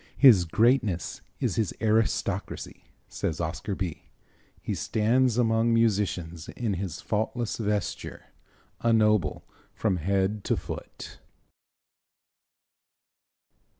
"His greatness is his aristocracy," says Oscar Bie. "He stands among musicians in his faultless vesture, a noble from head to foot."